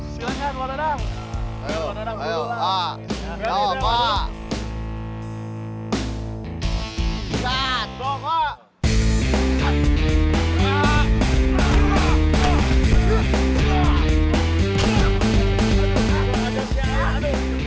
sudah abang abang di jakarta